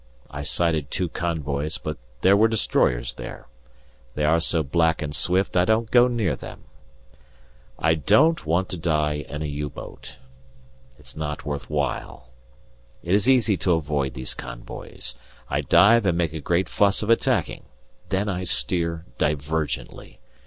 I sighted two convoys, but there were destroyers there; they are so black and swift I don't go near them. I don't want to die in a U boat. It's not worth while. It is easy to avoid these convoys. I dive and make a great fuss of attacking, then I steer divergently.